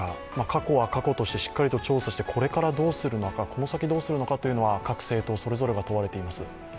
過去は過去としてしっかりと調査してこれからどうするのかこの先どうするのかというのは各政党それぞれが問われています。